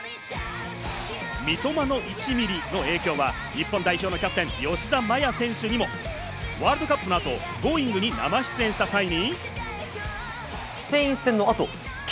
「三笘の１ミリ」の影響は日本代表のキャプテン・吉田麻也選手にもワールドカップの後、『Ｇｏｉｎｇ！』に生出演した際に。